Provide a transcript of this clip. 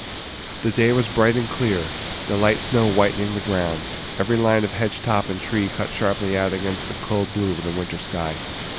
The day was bright and clear, the light snow whitening the ground; every line of hedge top and tree cut sharply out against the cold blue of the winter sky.